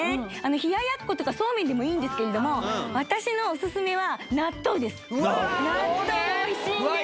冷奴とかそうめんでもいいんですけれども私のオススメはうわ納豆おいしいんですよ